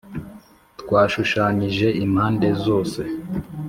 twashushanyije impande zose, -